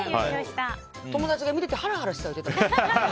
友達が見ててハラハラしたでって。